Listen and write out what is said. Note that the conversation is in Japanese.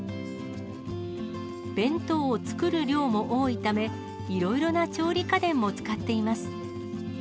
弁当を作る量も多いため、いろいろな調理家電も使っています。